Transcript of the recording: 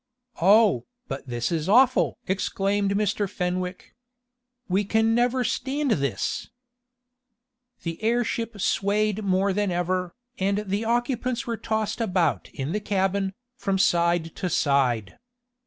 "Oh, but this is awful!" exclaimed Mr. Fenwick. "We can never stand this!" The airship swaged more than ever, and the occupants were tossed about in the cabin, from side to side.